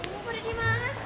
mau pergi mana sih